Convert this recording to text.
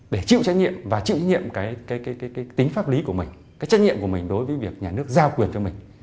để chịu trách nhiệm và chịu trách nhiệm cái tính pháp lý của mình cái trách nhiệm của mình đối với việc nhà nước giao quyền cho mình